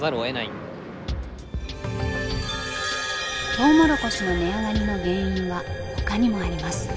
トウモロコシの値上がりの原因はほかにもあります。